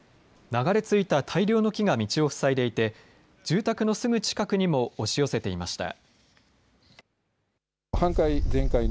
流れ着いた大量の木が道を塞いでいて住宅のすぐ近くにも押し寄せていました。